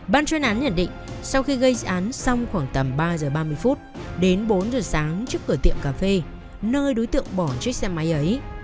ban chuyên án nhận định sau khi gây án xong khoảng tầm ba giờ ba mươi phút đến bốn giờ sáng trước cửa tiệm cà phê nơi đối tượng bỏ chiếc xe máy ấy